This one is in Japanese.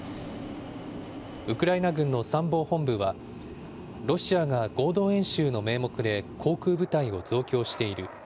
ウクライナ軍の参謀本部は、ロシアが合同演習の名目で航空部隊を増強している。